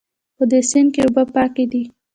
په دې سیند کې اوبه پاکې دي